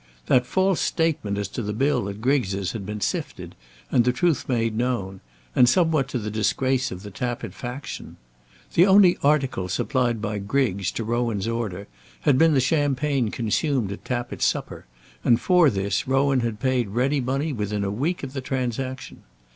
That false statement as to the bill at Griggs' had been sifted, and the truth made known, and somewhat to the disgrace of the Tappitt faction. The only article supplied by Griggs to Rowan's order had been the champagne consumed at Tappitt's supper, and for this Rowan had paid ready money within a week of the transaction.